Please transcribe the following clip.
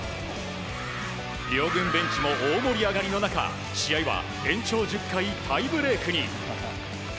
両軍ベンチも大盛り上がりの中試合は延長１０回タイブレークに。